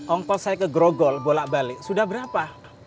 ongkol saya ke grogol bolak balik sudah berapa